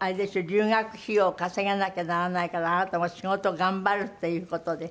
留学費用を稼がなきゃならないからあなたも仕事を頑張るっていう事で。